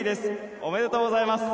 おめでとうございます。